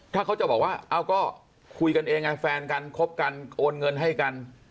ถ้าเขาจะบอกว่าเอาก็คุยกันเองไงแฟนกันคบกันโอนเงินให้กัน